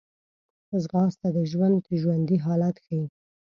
ځغاسته د ژوند ژوندي حالت ښيي